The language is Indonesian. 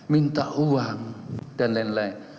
minta uang dan lain lain